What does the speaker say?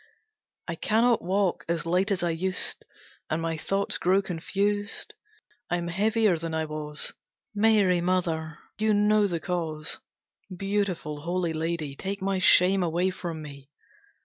I cannot walk as light as I used, and my thoughts grow confused. I am heavier than I was. Mary Mother, you know the cause! Beautiful Holy Lady, take my shame away from me!